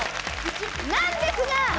なんですが？